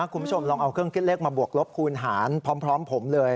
คุณผู้ชมลองเอาเครื่องคิดเลขมาบวกลบคูณหารพร้อมผมเลย